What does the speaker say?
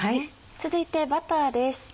続いてバターです。